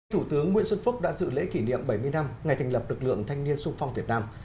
thủ tướng nguyễn xuân phúc đã dự lễ kỷ niệm bảy mươi năm ngày thành lập lực lượng thanh niên sung phong việt nam